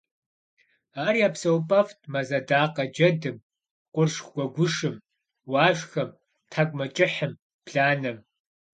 Ар я псэупӀэфӀт мэз адакъэ – джэдым, къурш гуэгушым, уашхэм, тхьэкӀумэкӀыхьым, бланэм.